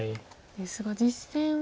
ですが実戦は。